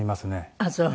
ああそう！